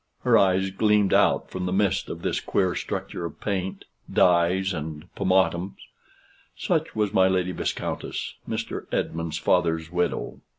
Her eyes gleamed out from the midst of this queer structure of paint, dyes, and pomatums. Such was my Lady Viscountess, Mr. Esmond's father's widow.